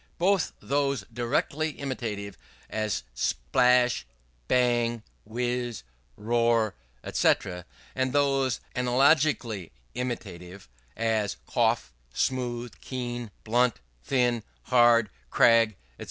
Both those directly imitative, as splash, bang, whiz, roar, &c., and those analogically imitative, as rough, smooth, keen, blunt, thin, hard, crag, &c.